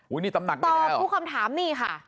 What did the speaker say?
อุ้ยนี่ตำหนักเนรนแอร์หรอตอบทุกคำถามนี่ค่ะ